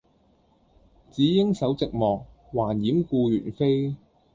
只應守寂寞，還掩故園扉。